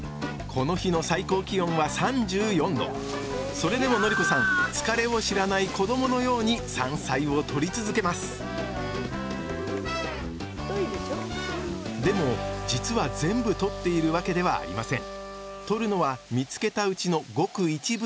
それでものり子さん疲れを知らない子どものように山菜を採り続けますでも実は全部採っているわけではありません。